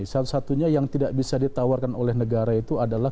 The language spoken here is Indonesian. satu satunya yang tidak bisa ditawarkan oleh negara itu adalah